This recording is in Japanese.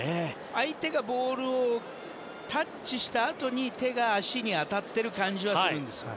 相手がボールをタッチしたあとに手が足に当たっている感じはするんですよ。